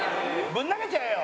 ぶん投げちゃえよ。